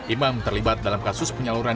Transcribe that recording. imam terlibat dalam kasus penyaluran